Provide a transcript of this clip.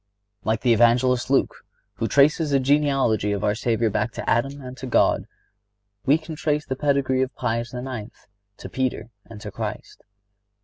Like the Evangelist Luke, who traces the genealogy of our Savior back to Adam and to God, we can trace the pedigree of Pius IX. to Peter and to Christ.